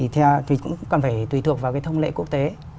thì cũng cần phải tùy thuộc vào thông lệ quốc tế